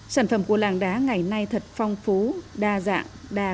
sản phẩm của làng đá ngày nay thật phong phú đa dạng đa kỹ